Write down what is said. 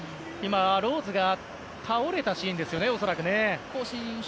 ローズが倒れたシーンですよね、恐らく。